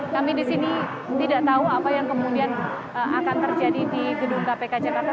kami di sini tidak tahu apa yang kemudian akan terjadi di gedung kpk jakarta